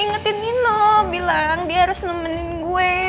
ngetin nino bilang dia harus nemenin gue